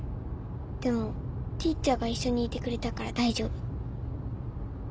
でもＴｅａｃｈｅｒが一緒にいてくれたから大丈夫。